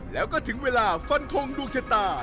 แล้วก็ถึงเวลาฟันทงดวงชะตา